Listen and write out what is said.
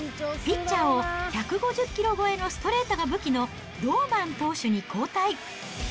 ピッチャーを１５０キロ超えのストレートが武器のドーマン投手に交代。